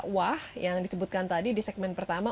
wah yang disebutkan tadi di segmen pertama